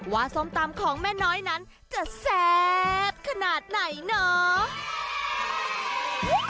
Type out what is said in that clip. ส้มตำของแม่น้อยนั้นจะแซ่บขนาดไหนเนาะ